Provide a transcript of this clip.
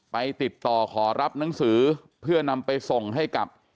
ติดต่อขอรับหนังสือเพื่อนำไปส่งให้กับ